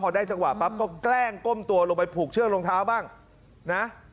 พอได้จังหวะปั๊บก็แกล้งก้มตัวลงไปผูกเชือกรองเท้าบ้างนะ